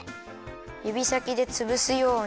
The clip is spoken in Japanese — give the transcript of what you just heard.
ゆびさきでつぶすように。